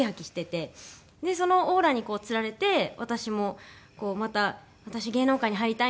そのオーラにつられて私もまた「私芸能界に入りたいんです」